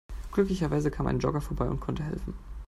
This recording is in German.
Glücklicherweise kam ein Jogger vorbei und konnte helfen.